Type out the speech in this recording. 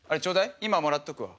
今もらっとくわ。